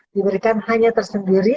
diberikan hanya tersendiri